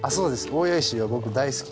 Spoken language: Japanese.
大谷石が僕大好き。